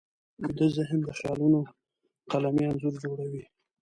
ویده ذهن د خیالونو قلمي انځور جوړوي